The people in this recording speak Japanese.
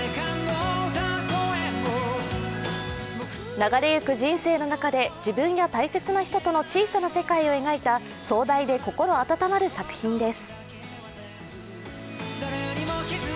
流れゆく人生の中で自分や大切な人との小さな世界を描いた壮大で心温まる作品です。